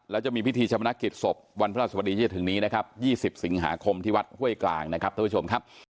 แล้วจะมีพิธีชมนักกิจศพวันพระราชบดีที่จะถึงนี้นะครับ๒๐สิงหาคมที่วัดห้วยกลางนะครับท่านผู้ชมครับ